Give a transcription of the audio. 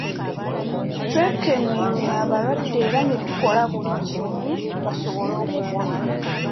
Twekenneenya abalwadde era ne tukola buli kimu basobole okuwona.